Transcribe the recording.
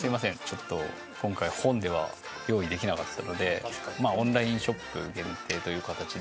ちょっと今回本では用意できなかったのでオンラインショップ限定という形で。